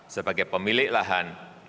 sebagai pemilik lahan